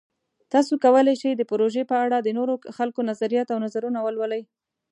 تاسو کولی شئ د پروژې په اړه د نورو خلکو نظریات او نظرونه ولولئ.